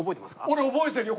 俺覚えてるよ。